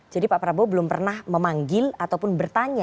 jadi pak prabowo belum pernah memanggil ataupun bertemu dengan anda